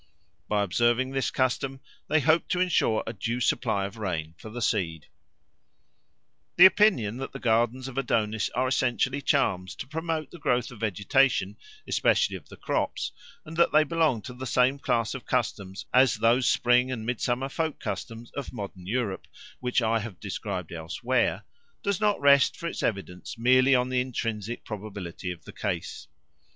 By observing this custom they hoped to ensure a due supply of rain for the seed. The opinion that the gardens of Adonis are essentially charms to promote the growth of vegetation, especially of the crops, and that they belong to the same class of customs as those spring and mid summer folk customs of modern Europe which I have described else where, does not rest for its evidence merely on the intrinsic probability of the case.